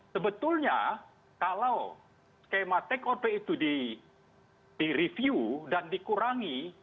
sebetulnya kalau skema take on pay itu direview dan dikurangi